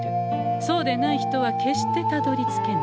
そうでない人は決してたどりつけない。